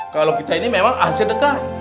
kalau kita ini memang akhir sedekah